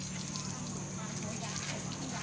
สุดท้ายสุดท้ายสุดท้าย